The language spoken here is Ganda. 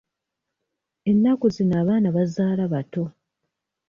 Ennaku zino abaana bazaala bato.